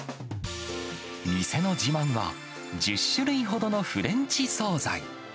店の自慢は、１０種類ほどのフレンチ総菜。